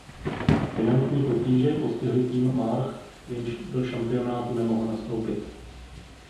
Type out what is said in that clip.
Finanční potíže postihly tým March jenž do šampionátu nemohl nastoupit.